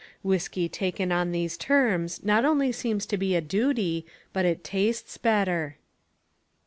Whiskey taken on these terms not only seems like a duty but it tastes better.